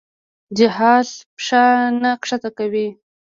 جهازه پښه نه ښکته کوي.